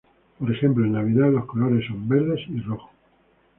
Por ejemplo, en Navidad los colores son verde y rojo.